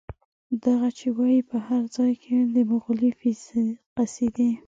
دغه چې وايي، په هر ځای کې د مغول قصيدې